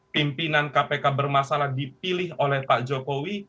pimpinan kpk bermasalah dipilih oleh pak jokowi